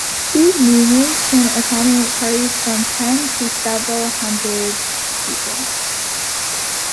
These meeting rooms can accommodate parties from ten to several hundred people.